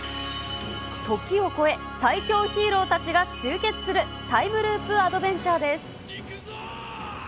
ときを超え、最強ヒーローたちが集結するタイムループアドベンチャーです。